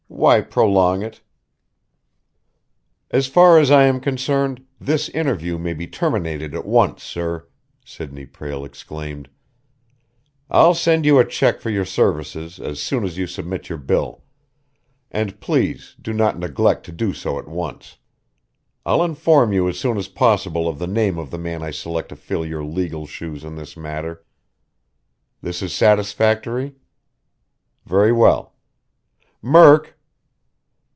Why prolong it?" "As far as I am concerned, this interview may be terminated at once, sir!" Sidney Prale exclaimed. "I'll send you a check for your services as soon as you submit your bill; and please do not neglect to do so at once. I'll inform you as soon as possible of the name of the man I select to fill your legal shoes in this matter. That is satisfactory? Very well. Murk!"